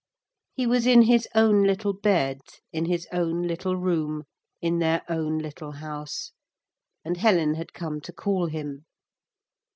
He was in his own little bed in his own little room in their own little house, and Helen had come to call him.